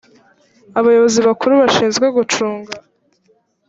abayobozi bakuru bashinzwe gucunga